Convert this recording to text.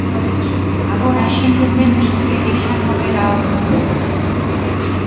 Agora xa entendemos o que é deixar correr a auga en Vigo.